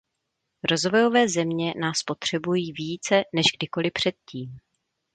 Rozvojové země nás potřebují více než kdykoli předtím.